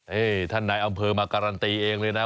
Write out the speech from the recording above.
นี่ท่านนายอำเภอมาการันตีเองเลยนะ